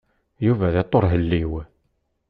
Yuba d aṭuṛhelliw.